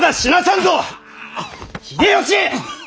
秀吉！